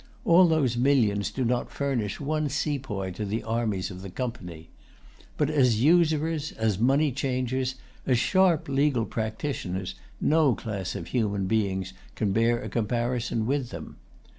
All those millions do not furnish one sepoy to the armies of the Company. But as usurers, as money changers, as sharp legal practitioners, no class of human beings can bear a comparison with them.